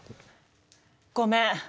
ごめん！